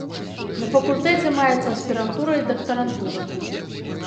На факультэце маецца аспірантура і дактарантура.